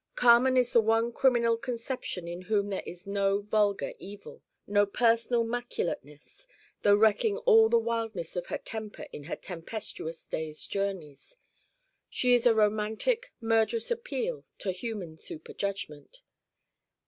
Carmen is the one criminal conception in whom there is no vulgar evil, no personal maculateness though wrecking all the wildness of her temper in her tempestuous days' journeys. She is a romantic murderous appeal to human superjudgment.